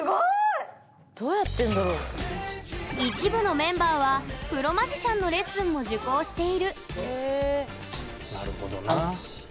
一部のメンバーはプロマジシャンのレッスンも受講しているなるほどな。